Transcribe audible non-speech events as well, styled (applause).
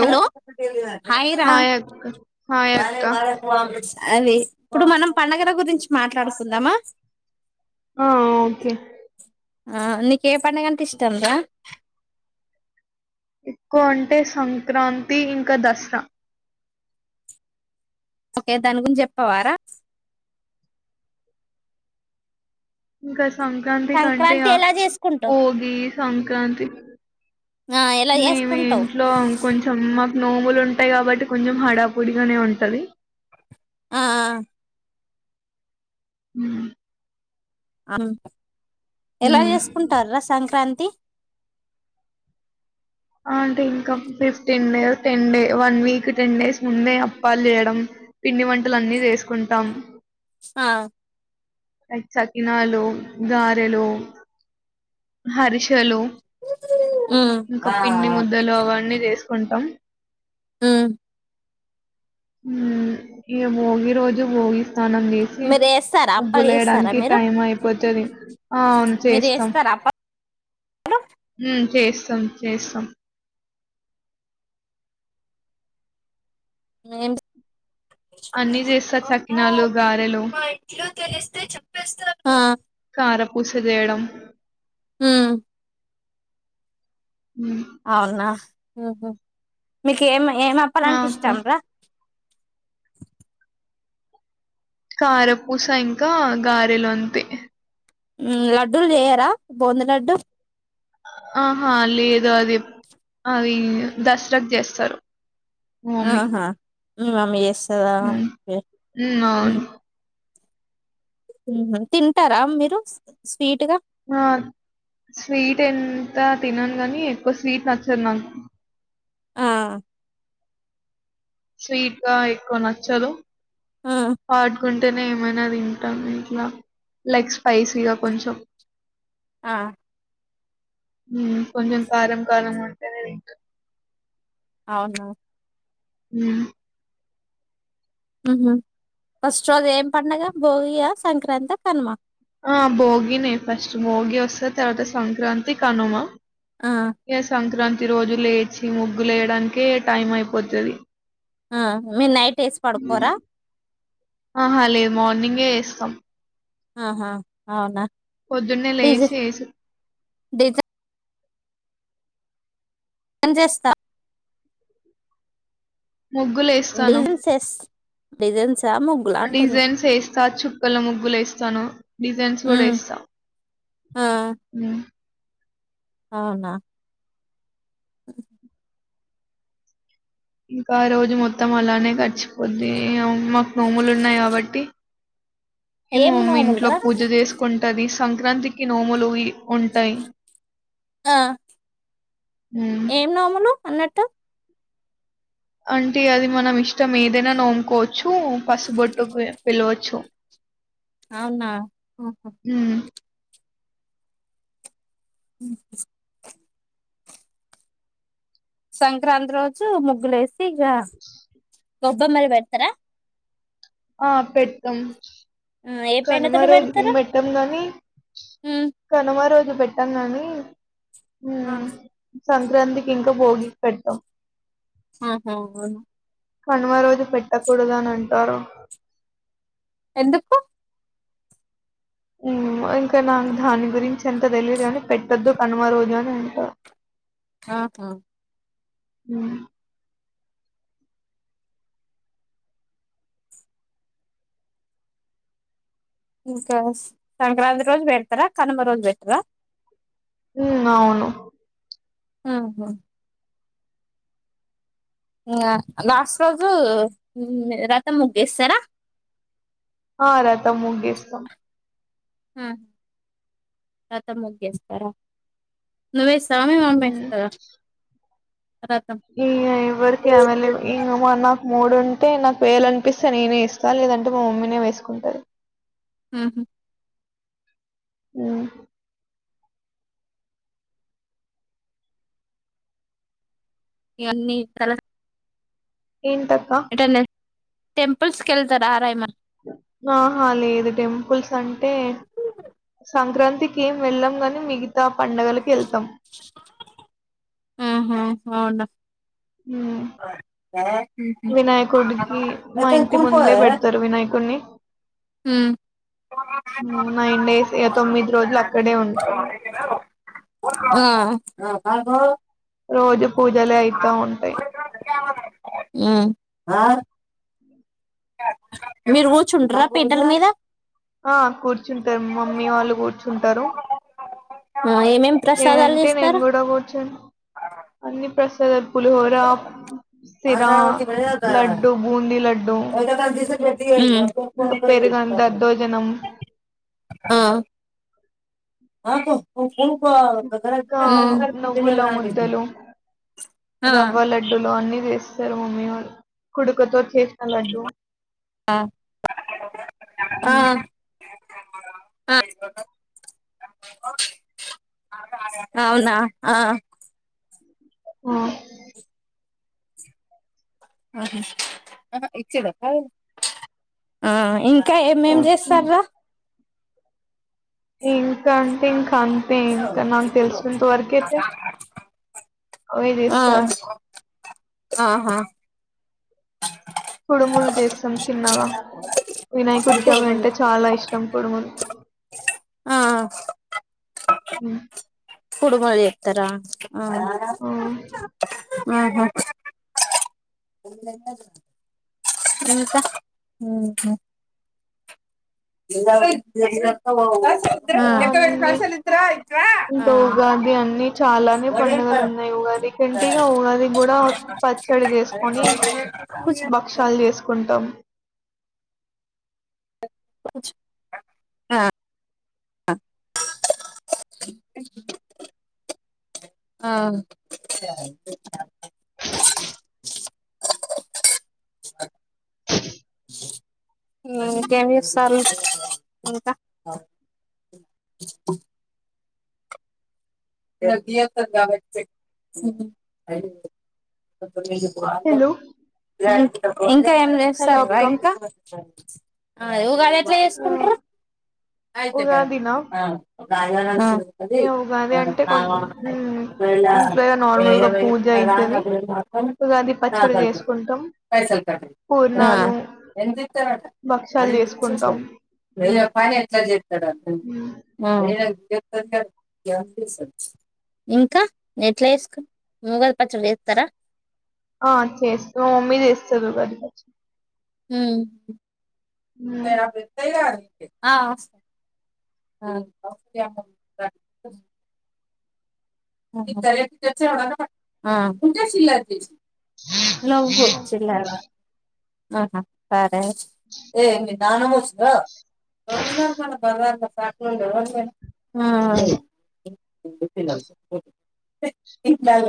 Hello hi రా అక్క hi అక్క అదిే ఇప్పుడు మనం పడుగల గురించి మాట్లాడుకుందామా ఆ ఓకే ఆ నీక ఏ పడుగంటే ఇష్టం రా ఎక్కువ అంటే సంక్రాంతి ఇంకా దసరా ఓకే దాని గురించి చెప్పవారా ఇకా సంక్రాంతి కంటే సంక్రాంతి ఎలా చేసుకుంటావు భోగి సంక్రాంతి ఆ ఎలా మేము చేసుకుంటావు ఇంట్లో కొంచెం మా నోములు ఉంటాయి కాబట్టి కొంచెం హడాపూడిగానే ఉంటది ఆ హ అను ఎలా ఉమ్. చేసుకుంటారా సంక్రాంతి అంటే ఇంకా fifteen days ten day one week ten days ముందే అప్పాలు చేయడం పిండి వంటలు అన్ని చేసుకుంటాం ఆ ఎసకినాలో గారలో హరిషాలు ఉమ్ ఇంకా పిండి ముద్దలు అవన్నీ చేసుకుంటాం హ హ ఇ మగి రోజు పోగి స్నానం చేసి మీరు చేస్తారా అప్పాలు ముగ్గులు చేస్తారా వయడానికి మీరు టైం అయిపోతుంది అ అవును మీరు చేస్తాం చేస్తారా అప్ప హ చేస్తాం చేస్తాం మేం అన్నిీ చేస్తా చకినాలు గారెలు మా ఇంట్లో తెలిస్తే చెప్పేస్తారు ఆ కారపూస చేయడం ఉమ్ మ్మ్ అవునా మీకు ఏంఐ ఏం అప్పలు ఆ అంటే అక్క ఇష్టం రా, కారపూస ఇంకా గారెలు అంతే, లడ్డూలు చెయ్యరా బొందు లడ్డు ఆహా లేదు అది అవి దసరాకు చేస్తారు, ఆహా మీ మమ్మీ చేస్తా అవును హు అవును తింటారా మీరు స్వీట్ గా ఆ స్వీట్ ఎంత తినను గాని ఎక్కువ స్వీట్ నచ్చదు నాకు ఆ స్వీట్ గా ఎక్కువ నచ్చదు ఆ హాట్ గా అంటేనే ఏమైనా తింటాము ఇట్లా లైక్ స్పైసీగా కొంచెం ఆ హు కొంచం కారం ఉంటనే తింటాం, అవునా హు ఉహు ఫస్ట్ రోజు ఏం పండగ భోగిగా సంక్రాంతి కనుమ ఆ భోగిని ఫస్ట్ భోగి వస్తే తర్వాత సంక్రాంతి కనుమ ఆ ఏ సంక్రాంతి రోజు లేట్ వచ్చి ముగ్గులు వేయడానికే టైం అయిపోతాది ఆ మీరు నైట్ వేసి పడుకోరా ఏస్తం ఆహా అవునా పొద్దున్నే డిజ లేచి ఏసి డిజైన్ ఏం చేస్తా ముగ్గులు వేస్తాను డిజైన్స్ చేస్ డిజైన్సా ముగ్గులా అంటున్నా డిజైన్స్ వేస్తా చుక్కల ముగ్గులు వేస్తాను డిజైన్స్ కూడా ఉమ్ వేస్తా ఆ అవునా ఇంకా రోజు మొత్తం అలానే గడిచిపోద్ది నోములు ఉన్నాయి కాబట్టి ఈ మా ఏం మమ్మీ నోములు ఇంట్లో రా పూజ చేసుకుంటది సంక్రాంతికి నోములు ఉంటాయి, ఆ హ్మ్. ఏం నోములు అన్నట్టు అంటే అది మనం ఇష్టం ఏదైనా నోముకోవచ్చు పసుబొట్టుకు పిలవచ్చు అవున అహ హ్మ్. అ సంక్రాంతి రోజు ముగ్గులు వేసి ఇక గొబ్బమ్మర పెడతారా ఆ పెట్తం ఆ ఏ కనుమా పెండతోటి రోజు ఏం పెడతారు పెట్టాం గాని ఉమ్. కనుమా రోజు పెట్టాం గాని హ ఆ సంక్రాంతికి ఇంకా భోగి పెడట్టాం ఆహా వు కణమ రోజు పెట్టకూడద అని అంటారు ఎందుకు ఇంకా నాకు దాని గురించి ఎంత తెలియదు కానీ పెట్టొద్దు కనుమ రోజు అని అంటారు హ హా ఉ ఇంకా సంక్రాంతి రోజు పెడతారా కనుమ రోజు పెట్రా ఉ అవును ఊహూ ఆ లాస్ట్ రోజు రథం ముగ్గు వేస్తారా ఆ రథం ముగ్గు వేస్తాం ఆ రథం ముగ్గు వేస్తారా నువ్వే చేస్తావా మీ మమ్మీ వేస్తారా ఇ ఇవరికమల ఇ మన్న మూడుంటే నాకు వేలనిపిస్తే నేనే ఇస్తా లేదంటే మా మమ్మీనే వేసుకుంటది ఊహూ ఊ ఎన్ని తల ఏంటక్కా ఎటన్నా టెంపుల్స్ కేళ్తారా రా ఏమన్నా ఆహా లేదు టెంపుల్స్ అంటే సంక్రాంతి కి ఏం వెళ్ళలం కని మి గీతా పండుగలు కి వెళ్తాం ఆహా అవున హ్మ్. వినాయకుడికి మా ఇంటి కూకో ముందే పెడతారు వినాయకుడిని. హ్మ్. డేస్ ఇగ రోజులు అక్కడే ఉంటాం. ఆ కాకో రోజు పూజలే అయితా ఉంటాయి ఊ ఆ మీరు కూర్చుంట్ర పీఠల మీద ఆ కూర్చుంటరు మమ్మీ వాళ్ళు కూర్చుంటరు ఆ ఏమేం ప్రసాదాలు లేదంటే నేను చేస్తారు కూడా కూర్చొని అన్ని ప్రశ్ సద పులిహోర సిర లడ్డూ బూంది లడ్డూ ఒక క మ్మ్ ఇంకా పెరుగన్నం దద్దోజనం ఆ ఆ కు కు ఆ ఇంకా నువ్వుల ముద్దలు ఆ రవ్వ లడ్డులు అన్ని వేస్త స మమ్మీవాళ్ళు కుడుకుతో చేసిన లడ్డు ఆ మ్మ్ ఆ అవునా ఆ ఆ ఆ ఇచ్చద ఆ ఇంకా ఇంకా ఏమేం ఓకే చేస్తార్రా ఇంకా అంటె ఇంకా అంతే ఇంకా నాకు తెలుసినంత వరకైతే అవి ఆ చేస్తార్ ఆహా కుడుములు చేస్తాం చిన్నగా వినాయకుడికి అవి కుడుములు అంటే చాలా ఇష్టం కుడుములు ఆ కుడుములు చేత్తరా ఆ ఉమ్ ఆహా మ్మ్ హ్మ్ ఆ లెక్కపెట్టి అన్ని పైసల్ ఇత్తరా ఇటు రా ఇంకా ఉగాది అన్ని చాలానే పండగలున్నాయి ఉగాది కంటిగా ఉగాది కూడా పచ్చడి చేేసుకొని భక్షాలు చేసుకుంటాం ఆ ఆ అ (unintelligible) ఇంకేం చేస్తారు ఇంకా (inaudible) హలో ఇ ఇంకా ఏం హలో చేస్తారా అక్క ఇంకా ఆవగా ఆ సుకుంట అయితే బ్యా ఉగాదినా అడి ఆ అదే ఇగ ఉగాది అంటే ఆ కొం ఉమ్ అప్పుడుళ ఇంట్లో ఇగ నార్మల్ ఏంగ గా పూజ అయితది ఉగాది పచ్చడి చేసుకుంటాం పైసలు కట్ట పూర్ణాలు ఎంతస్తారట భక్షాలు చేసుకుంటాం అ పైన ఎంత ఉమ్ చెస్తడ సర సార్ ఇంకా నే ఎట్లా వేసుకు మగలు పచ్చడి వేస్తారా ఆ చేస్త ఉమ్మీదిస్త త కది ప ఉమ్ పరా ఫతయి కాది అ విదాలయచర్ కు శిల్లా చే నవభోగ జల్లాలో ఆహా సరే ఏ దనుముచ్చ గ బ మన బ సా లే ఆ సార్ ఓ బ